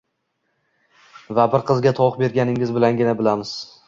va bir qizga tovuq berganingiz bilangina bilamiz